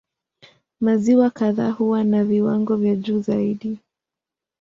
Maziwa kadhaa huwa na viwango vya juu zaidi.